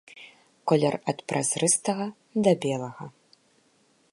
Колер ад празрыстага да белага.